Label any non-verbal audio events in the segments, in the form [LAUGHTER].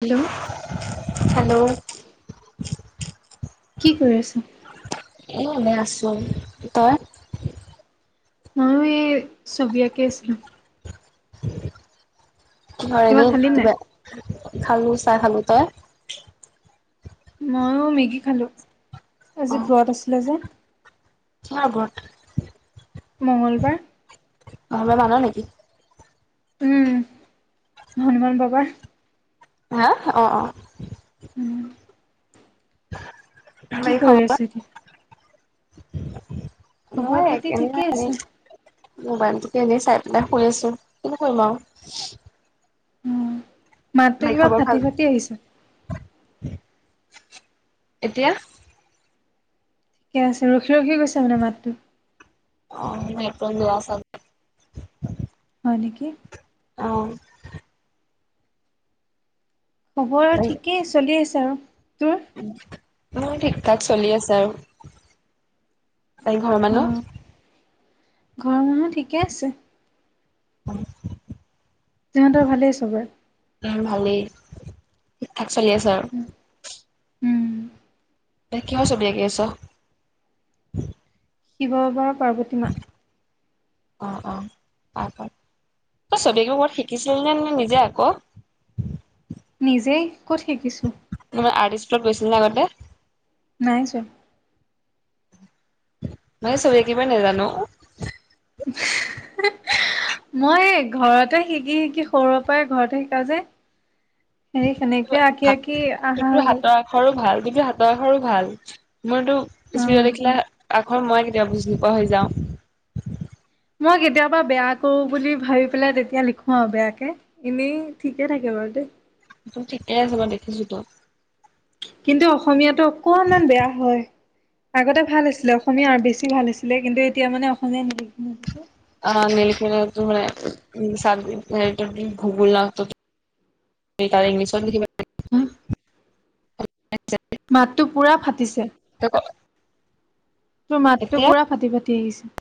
Hello hello কি কৰি আছ এ এনেই আছো তই ময়ো এই ছবি আকি আছিলো। ঘৰে কিবা এনে খালি নাই? কিবা খালো চাহ খালো তই ময়ো মেগী খালোঁ আজি ব্ৰত আছিলে যে কা ব্ৰত মঙ্গলবাৰ মংগলবাৰে মান নেকি উম হনুমান বাবাৰ হা অ অ উম কি বাকি কৰি খবৰ আছা এতিয়া? খবৰ মই খাতি ঠিকে কেনেকুৱে আজি আছে। মোবাইলটোকে এনেই চাই পেলাই শুই আছো কি কৰিম আও অ'। মাতটো বাকী কিবা খবৰ ফাটি ভাল, ফাটি আহিছে। এতিয়া থিকে আছে ৰখি ৰখি গৈছে মানে মাতটো অ নেটৱৰ্ক বেয়া ছাগ হয় নেকি অহ খবৰ আৰু ঠিকেই চলি আছে আৰু তোৰ উম মোৰ ঠিক ঠাক চলি আছে আৰু বাকী ঘৰৰ অ', মানুহ ঘৰৰ মানুহ ঠিকে আছে উম তহঁতৰ ভালেই চবৰে উম ভালেই ঠিকঠাক চলি আছে আৰু উম, তই কিহৰ ছবি আকি আছ শিৱ বাবাৰ পাৰ্বতীমা অ অ আক আক তই ছবি আকিব কবাত শিকিছিলি নে নিজে আক নিজেই ক'ত শিকিছোঁ নহয় মানে আৰ্ট স্কুলত গৈছিল নে আগতে নাই যোৱা মই যে চবি আকিবই নাজানো [UNINTELLIGIBLE] মই ঘৰতে শিকি শিকি সৰুৰে পৰাই ঘৰতে শিকা যে সেই সেনেকে আঁকি আঁকি আহা হৈ গ'ল আশৰো ভাল তোজে হাতৰ আখৰো ভাল মোৰ টো স্পিতত অ', লেখিলে আখৰ মই কেতিয়াও বুজি নোপোৱা হৈ যাওঁ মই কেতিয়াবা বেয়া কৰো বুলি ভাবি পেলাই তেতিয়া লিখো আৰু বেয়াকে এনেই ঠিকে থাকে বাৰু দে তো ঠিকে আছে বাও দেখিছো তো। কিন্তু, অসমীয়াটো অকনমান বেয়া হয়। আগতে ভাল আছিলে অসমীয়া আৰু বেছি ভাল আছিলে, কিন্তু এতিয়া মানে অসমীয়া নিলিখোৱে যে অ [UNINTELLIGIBLE] ভুগোল [UNINTELLIGIBLE] খালি ইংলিছত লিখিব হা [UNINTELLIGIBLE] মাতটো পুৰা ফাটিছে। [UNINTELLIGIBLE] তোৰ মাতটো এতিয়া পুৰা ফাটি ফাটি আহিছে।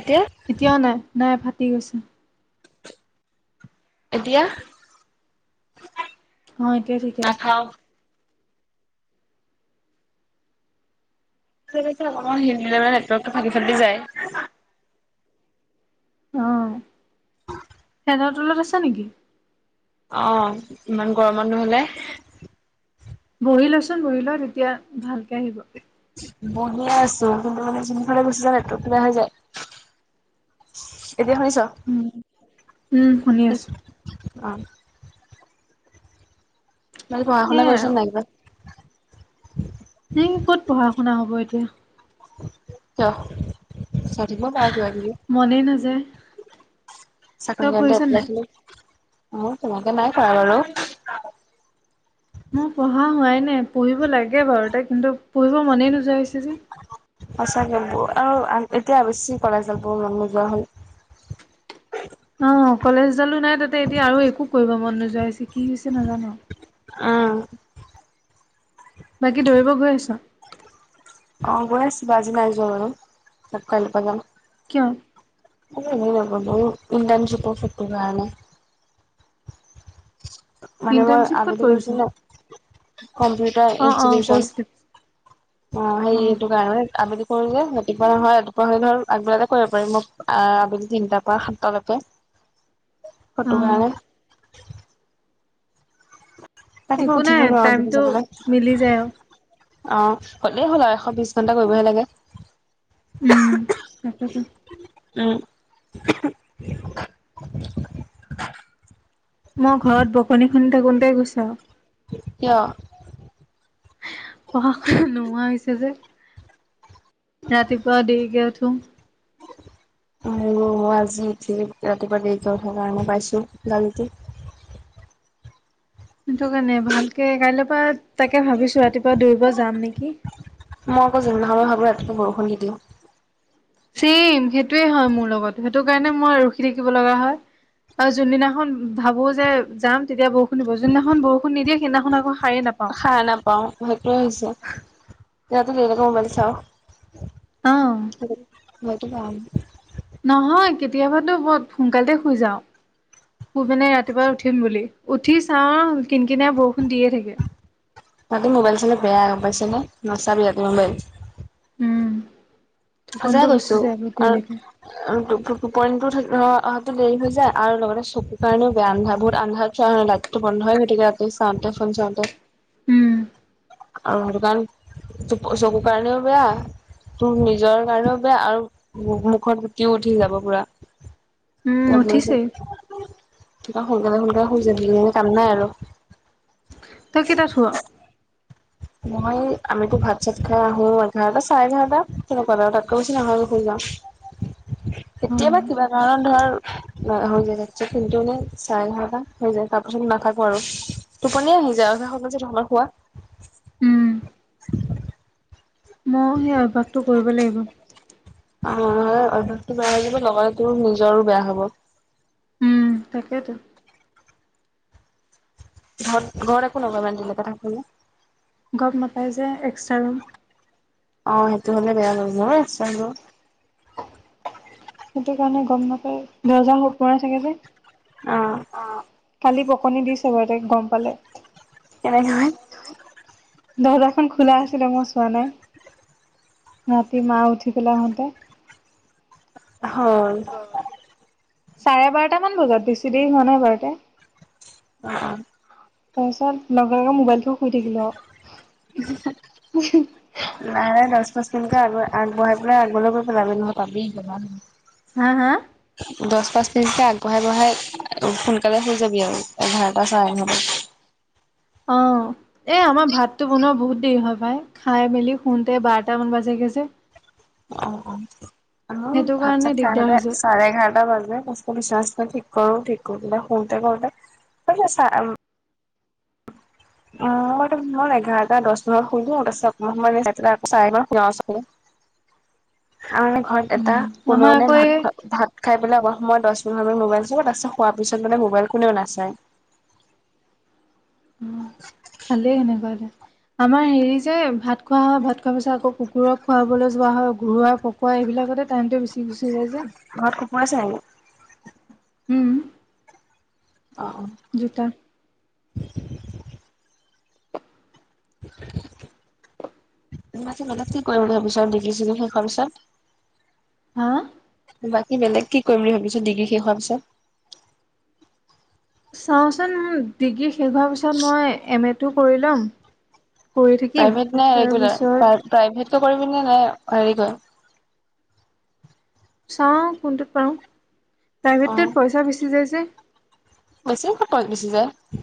এতিয়া? এতিয়াও নাই, নাই ফাটি গৈছে। এতিয়া? অঁ, এতিয়া ঠিকে আছে। নাখাও নেটৱৰ্কটো ফাটি ফাটি যায়। অঁ। [INAUDIBLE] ফেনৰ তলত আছা নেকি? অঁহ ইমান গৰমত নহলে। বহি ল'চোন বহি ল' তেতিয়া ভালকে আহিব। বহিয়ে আছো, কিন্তু মানে যোনফালে গুচি যায় নেটৱৰ্কটো বেয়া হৈ যায়। এতিয়া শুনিছ? উম উম শুনি আছো অ। বাকী পঢ়া শুনা সেইয়াই আৰু কৰিছ নাই কৰা? এই ক'ত পঢ়া শুনা হ'ব এতিয়া। কিয়? চাই থাকিব পাৰা কিবা কিবি। মনেই নাযায়। তই চাকৰি কাৰণে পঢ়িছ এপ্লাই নাই? আহিলে মইও তেনেকে নাই কৰা বাৰু। মোৰ পঢ়া হোৱাই নাই, পঢ়িব লাগে বাৰু, এতিয়া কিন্তু পঢ়িব মনেই নোযোৱা হৈছে যে। সঁচাকে বৰ আৰু এতিয়া বেছি কলেজ যাব মন নোযোৱা হ'ল। অঁ, কলেজ ডালো নাই তাতে এতিয়া আৰু একো কৰিব মন নোযোৱা হৈছে, কি হৈছে নাজানো আও। অঁহ বাকী দৌৰিব গৈ আছ'? অঁ গৈ আছিলো, আজি নাই যোৱা বাৰু কাইলৈ পৰা যাম। কিয়? এ এনে নগ'লো অ ইণ্টাণশ্বিপৰ সেইটো কাৰণে মানে মই ইণ্টাৰ্ণশ্বিপ ক'ত আগতে কৰিছো ন কম্পিউ অঁ অঁ কৈছিলি অঁ, সেই অ এইটো কাৰণে আবেলি কৰো যে, ৰাতিপুৱা নহয় ৰাতিপুৱা হলে ধৰ আগবেলাতে কৰিব পাৰিম মই আ আবেলি তিনটাৰ পৰা সাতটালৈকে। [INAUDIBLE] অ ফটো কাৰণে ৰাতিপুৱা একো নাই উঠিবই আৰু টাইমটো দেখিছ' মিলি নহয়। যায় আৰু অঁ হ'লেই হ'ল আৰু এশ বিশ ঘণ্টা কৰিবহে লাগে। উম, তাকেতো। উম। [INAUDIBLE] মই ঘৰত বকনি শুনি থাকোতেই গৈছে আও। কিয়? পঢ়া শুনা নোহোৱা হৈছে যে, ৰাতিপুৱা দেৰিকে উঠোঁ। এই মই আজি উঠি ৰাতিপুৱা দেৰি উঠাৰ কাৰণে পাইছো, গালিটো। সেইটো কাৰণে ভালকে কাইলৈৰ পৰা তাকে ভাবিছো ৰাতিপুৱা দৌৰিব যাম নেকি মই আকৌ যোনদিনাখনপা ভাবোঁ ৰাতিপুৱা বৰষুণ নিদিওঁ চেইম সেইটোৱে হয় মোৰ লগত সেইটো কাৰণে মই ৰখি থাকিব লগা হয়। আৰু যোনদিনাখন ভাবোঁ যে যাম তেতিয়া বৰষুণ দিব, যোনদিনাখন বৰষুণ নিদিয়ে সেইদিনাখন আকৌ সাৰে নাপাওঁ। সাৰ নাপাওঁ সেইটোৱে হৈছে, ৰাতি দেৰিলৈকে মোবাইল চাওঁ। অ সেইটো কাৰণ নহয় কেতিয়াবাতো বৰ সোনকালতে শুই যাওঁ, শুই পিনে ৰাতিপুৱা উঠিম বুলি। উঠি চাওঁ কিন কিনিয়া বৰষুণ দিয়ে থাকে। ৰাতি মোবাইল চালে বেয়া গম পাইছে নে, নাচাবি ৰাতি মোবাইল। উম সঁচাই টোপনিটো গুচি কৈছো যায় বহুত আ দেৰিলৈকে টো টোপনীতো অহাটো দেৰি হৈ যায় আৰু লগতে চকুৰ কাৰণেও বেয়া আন্ধাৰ বহুত আন্ধাৰত চোৱা হয় লাইট টো বন্ধ হয় গতিকে আকৌ চাওঁতে ফোন চাওঁতে। উম সেটোকাৰন তোৰ চকু কাৰণেও বেয়া তোৰ নি নিজৰ কাৰণেও বেয়া আৰু মুখত গুটি উঠি যাব পুৰা। উম, তাৰ উঠিছেই পিছত সোনকালে সোনকালে শুই যাবি কাম নাই আৰু তই কেটাত শুৱ? মই আমিতো ভাত চাত খাই আহো এঘাৰটা চাৰে এঘাৰটা তেনেকুৱাত আৰু তাতকৈ বেছি নহয় শুই যাওঁ। [INAUDIBLE] কেতিয়াবা কিবা কাৰণত ধৰ হৈ যায় কিন্তু এনে চাৰে এঘাৰটা হৈ যায় তাৰ পাছত নাথাকোঁ আৰু টোপনিয়ে আহি যায় আৰু যে সেইটো সময়ত শুৱা। উম, [UNINTELLIGIBLE] মও সেই অভ্যাসটো কৰিব লাগিব। অ অভ্যাসটো বেয়া হৈ যাব লগতে তোৰ নিজৰো বেয়া হ'ব। তাকেতো ঘত ঘৰত একো নকয় ইমান দেৰিলৈকে থাকিলে? গম নাপায় যে এক্সট্ৰা ৰুম অ সেইটো হ'লে বেয়া অলপ, মোৰো এক্সট্ৰা ৰুম। সেইটো কাৰণে গম নাপাই, দৰ্জা হুপ মৰা থাকে যে। অ অ কালি বকনি দিছে বাৰু তাইক গম পালে। কেনেকৈ দৰ্জাখন খোলা আছিলে মই চোৱা নাই। ৰাতি মা উঠি পেলাই আহোঁতে হয় চাৰে বাৰটামান বজাত বেছি দেৰি হোৱা নাই বাৰটা অ অ তাৰপিছত লগে লগে মোবাইলথৈ শুই থাকিলোঁ আও। মাৰে দহ পাঁচমিনিটৰ আগৰ আগবঢ়াই পেলাই আগলৈ গৈ পেলাবি নহ'লে পাবি হা হা দহ পাঁচ, মিনিটকে আগবঢ়াই বঢ়াই সোনকালে শুই যাবি আৰু এঘাৰটা চাৰে এঘাৰটাত অঁ এ আমাৰ ভাতটো বনোৱা বহুত দেৰি হয় পাই খাই মেলি শুতে বাৰটামান বাজেগে যে অ অ আমাৰো সেইটো ভাত কাৰণে চাত খাই দিগদাৰ হৈ যায়, আহোতে চাৰে এঘাৰটা বাজে পিছে বিচনা চিচনা ঠিক কৰো ঠিক কৰি পিনে শুওতে কৰোতে বাজে চাৰে অ মইতো মানে মই এঘাৰটা দহ মানত শুই দিয়ো তাৰপিছত আকৌ অকমান ৰেষ্ট লৈ চাৰে বাৰত শুও [INAUDIBLE] আৰু মানে ঘৰত এটা উম কোনেও আমাৰ মানে আকৌ এই ভাত খোৱা ভাত খাই পেলাই অকমান সময় দহ পোন্ধৰ মিনিট মোবাইল চাব তাৰপাছত হোৱাৰ পিছত মানে মোবাইল কোনেও নাচায়। উম ভালে সেনেকোৱা হলে। আমাৰ হেৰি যে ভাত খোৱা হয় ভাত খোৱা পিছত আকৌ কুকুৰক খুৱাবলৈ যোৱা হয় ঘৰুৱা খোৱাই এইবিলাকতে টাইমটো বেছি গুচি যায় যে ঘৰত কুকুৰ আছে নি? উম অ অ দুটা [UNINTELLIGIBLE] তুমি পাছত মতলব কি কৰিম বুলি ভাবিছা ডিগ্ৰী চিগ্ৰী শেষ হোৱাৰ পিছত? হা বাকী বেলেগ কি কৰিম বুলি ভাবিছে ডিগ্ৰী শেষ হোৱাৰ পিছত? চাও চোন ডিগ্ৰী শেষ হোৱাৰ পিছত মই এম এটো কৰি ল'ম কৰি থাকিম তাৰপিছত প্ৰাইভেটতো কৰিবি নে, নে হেৰি কৰি চাওঁ কোনটোত পাৰো অ', প্ৰাইভেটটোত পইচা বেচি যায় যে বেছি কত পৰে বেছি যায়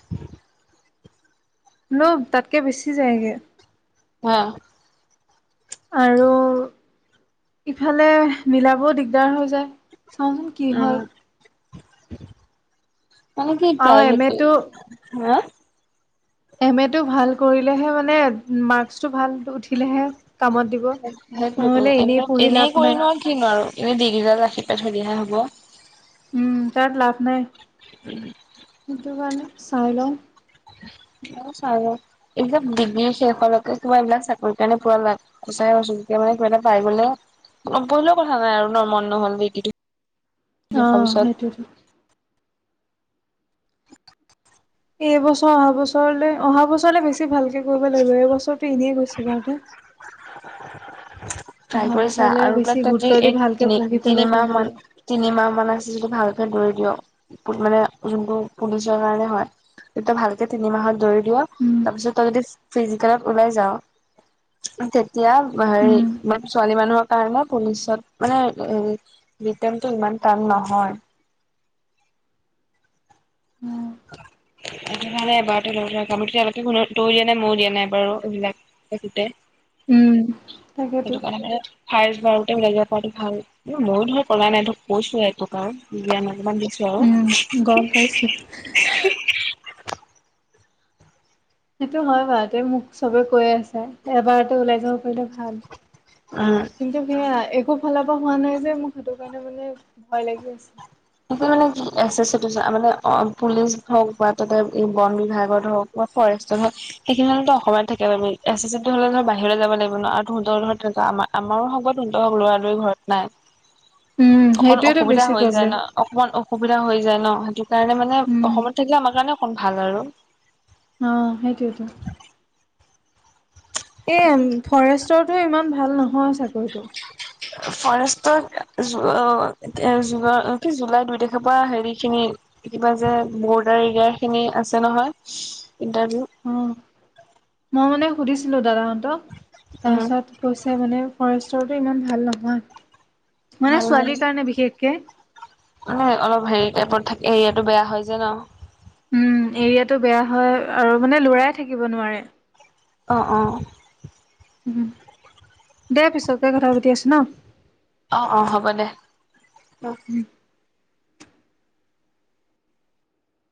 ন তাতকে বেছি যায়গে হা আৰু ইফালে মিলাবও দিগদাৰ হৈ যায় চাওঁচোন কি উম, হয় মানে কি আৰু এম এটো প্ৰাইভেটতো হা এম এ টো ভাল কৰিলেহে মানে মাৰ্কচটো ভাল উঠিলেহে কামত দিব নহলে এনেই পঢ়ি লাভ নাই। কি নোৱাৰো এনে ডিগ্ৰীডাল ৰাখি পেলাই থৈ দিয়াহে হ'ব উম তাত লাভ নাই উম সেইটো কাৰণে চাই লং ময়ো চাই লও এইবিলাক ডিগ্ৰী শেষ হোৱালৈকে কিবা এইবিলাক চাকৰি কাৰণে পুৰা লা সঁচাই কৈছো এতিয়া মানে কিবা এটা পাই গলে নপঢ়িলেও কথা নাই আৰু ন মন নহলে কিতো অ সেইটোৱেইটো এইবছৰ অহা বছৰলৈ অহা বছৰলৈ বেছি ভালকে কৰিব লাগিব এইবছৰটো এনেই গৈছে বাৰুতে ট্ৰাই অহা কৰিছা বছৰলে আৰু বোলে বেছি তহঁতি গুৰুত্ব দি এই ভালকে তিনি পঢ়ি পেলাই তিনিমাহ কৰিব মান লাগিব তিনিমাহ মান আছে যিটো ভালকে দৌৰি দিয়ক মানে যোনটো পুলিচৰ কাৰণে হয়। তই ভালকে তিনিমাহত দৌৰি লোৱা উম তাৰপিছত তই যদি ফিজিকেলত ওলাই যাৱ তেতিয়া হেৰি উম মানে ছোৱালী মানুহৰ কাৰণে পুলিচত মানে ৰিটেনটো ইমান টান নহয় [INAUDIBLE] সেইটো কাৰণে এবাৰতে লৈ লোৱা কাৰণ বাকী কোনো তয়ো দিয়া নাই ময়ো দিয়া নাই বাৰু এইবিলাক এটোতে উম তাকেতো। সেইটো কাৰণে মানে ফাৰ্ষ্ট বাৰতে ওলাই যোৱাতো ভাল মইয়ো ধৰ কৰা নাই ধৰক কৈছো এইটো কাৰণ জ্ঞান অকমান দিছো আৰু। উম, গম পাইছিলো। সেইটো হয় বাৰুতে মোক চবে কৈয়ে আছে এবাৰতে ওলাই যাব পাৰলে ভাল। অ কিন্তু সেয়া একো ফালৰ পৰা হোৱা নাই যে মোক সেইটো কাৰণে মানে ভয় লাগি আছে। মানে কি এ চে ছি টি, মানে অ পুলিচ হওক বা তাতে বন বিভাগত হওক- মই ফৰেষ্টত, হয়। সেইখিনি হলে অসমত থাকে আমি এ চে চি, হলে ধৰ বাহিৰলৈ যাব লাগিব ন আৰু তহঁতৰ ধৰ তক আমাৰ। আমাৰো হ'ব তহতৰ হক লৰা -লৰি ঘৰত নাই উম, অকন সেইটোৱেতো অসুবিধা বেছি হৈ যায় প্ৰব্লেম। ন। অকণমান অসুবিধা হৈ যায় ন সেইটো কাৰণে মানে উম, অসমত থাকিলে আমাৰ কাৰণে অকণ ভাল আৰু। অ সেইটোৱেটো। এই ফৰেষ্টটৰটো, ইমান ভাল নহয় চাকৰিটো। ফৰেষ্টত, অ এ জু কি জুলাই দুই তাৰিখৰ পৰা হেৰি এই খিনি কিবা যে বৰ্ডাৰ, এৰিয়াৰখিনি, আছে নহয় ইণ্টাৰভিউ। অ', মই মানে সুধিছিলো দাদাহঁতক উম তাৰপিছত কৈছে মানে ফৰেষ্টৰটো, ইমান ভাল নহয়। মানে ভাল ভাল ছোৱালীৰ কাৰণে বিশেষকে মানে অলপ হেৰি টাইপত থাকে। এৰিয়াতটো বেয়া হয় যে ন। উম এৰিয়াটো বেয়া হয়। আৰু মানে লৰাই থাকিব নোৱাৰে। অঁ অঁ উ দে পিছকে কথা পাতি আছো ন। অ অ হ'ব দে। উম